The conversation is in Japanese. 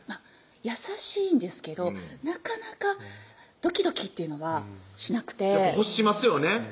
優しいんですけどなかなかドキドキっていうのはしなくて欲しますよね